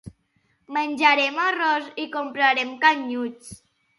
Menjarem arròs i comprarem canyuts